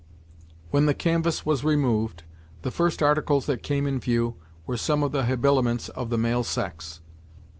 When the canvass was removed, the first articles that came in view were some of the habiliments of the male sex.